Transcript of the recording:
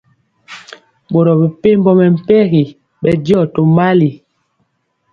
Boro mepempɔ mɛmpegi bɛndiɔ tomali.